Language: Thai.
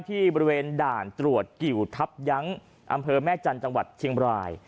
ที่บริเวณด่านตรวจกิวทับยั้งอำเภอแม่จันทร์จังหวัดเชียงบราย